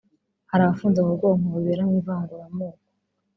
hari abafunze mu bwonko bibera mu ivanguramoko